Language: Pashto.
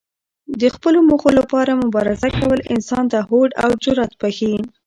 د خپلو موخو لپاره مبارزه کول انسان ته هوډ او جرات بښي.